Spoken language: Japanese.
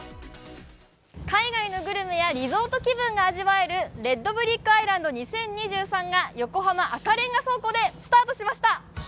海外のグルメやリゾート気分が味わえるＲｅｄＢｒｉｃｋＩｓｌａｎｄ２０２３が横浜赤レンガ倉庫でスタートしました。